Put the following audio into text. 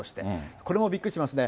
これもびっくりしますね。